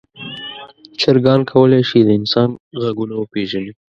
چرګان کولی شي د انسان غږونه وپیژني.